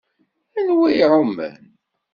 Anwa i iɛummen?